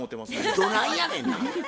どないやねんな。